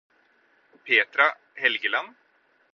Petra Helgeland